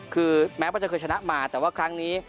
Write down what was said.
คือแม้ว่าจะเคยชนะมาแต่ว่าครั้งนี้